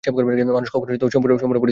মানুষ কখনই সম্পূর্ণ পরিতৃপ্ত হয় না।